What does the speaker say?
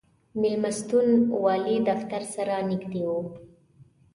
مېلمستون والي دفتر سره نږدې و.